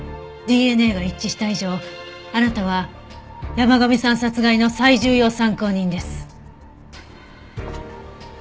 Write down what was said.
ＤＮＡが一致した以上あなたは山神さん殺害の最重要参考人です。